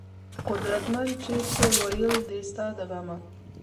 قدرمند چې څۀ وئيل دي ستا د غمه